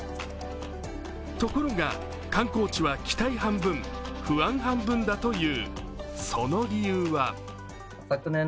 ところが、観光地は期待半分、不安半分だという。